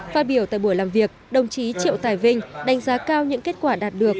phát biểu tại buổi làm việc đồng chí triệu tài vinh đánh giá cao những kết quả đạt được